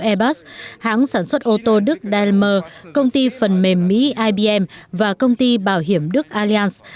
airbus hãng sản xuất ô tô đức delmer công ty phần mềm mỹ ibm và công ty bảo hiểm đức alliance